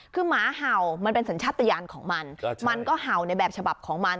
คือหมาเห่ามันเป็นสัญชาติยานของมันมันก็เห่าในแบบฉบับของมัน